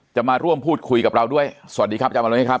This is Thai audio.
จะมาร่วมพูดคุยกับเราด้วยสวัสดีครับอาจารย์มนุษยครับ